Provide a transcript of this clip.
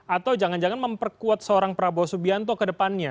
atau jangan jangan memperkuat seorang prabowo subianto ke depannya